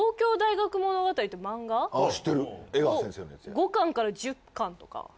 ５巻から１０巻とか。